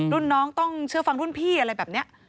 รุ่นน้องต้องเชื่อฟังรุ่นพี่อะไรแบบนี้